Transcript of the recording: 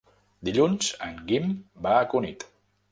Dilluns en Guim va a Cunit.